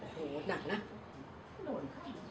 โหหนักนะ